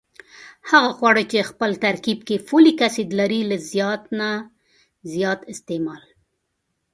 هغه خواړه چې خپل ترکیب کې فولک اسید لري له زیات نه زیات استعمال